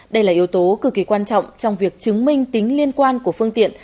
đây là yếu tố cực kỳ quan trọng trong việc chứng minh tính liên quan của phương tiện